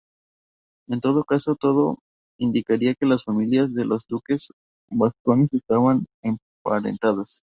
En todo caso, todo indicaría que las familias de los duques vascones estaban emparentadas.